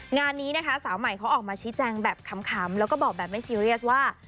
งานนี้มันออกมาชี้แจงคำและแบบไม่ซีเรียสว่า